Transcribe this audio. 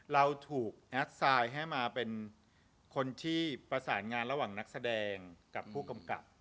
เราถูกแอดไซด์ให้มาเป็นคนที่ประสานงานระหว่างนักแสดงกับผู้กำกับ